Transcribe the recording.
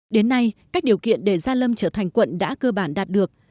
đến nay các điều kiện để gia lâm trở thành quận đã cơ bản đạt được